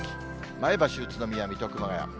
前橋、宇都宮、水戸、熊谷。